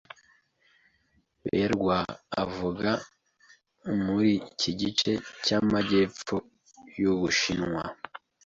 Berwa avuga muri iki gice cy'amajyepfo y'Ubushinwa